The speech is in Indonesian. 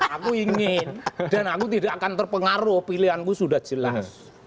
aku ingin dan aku tidak akan terpengaruh pilihanku sudah jelas